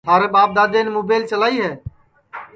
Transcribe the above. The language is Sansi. تھارے ٻاپ دؔادؔین مُبیل چلائی ہے